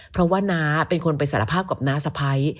เพราะว่าน้าเป็นคนไปสารภาพกับน้าสะพ้าย